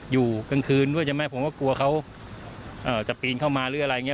อยู่กลางคืนด้วยใช่ไหมผมก็กลัวเขาจะปีนเข้ามาหรืออะไรอย่างนี้